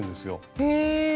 へえ。